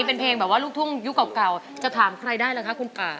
เป็นเพลงแบบว่าลูกทุ่งยุคเก่าจะถามใครได้ล่ะคะคุณป่า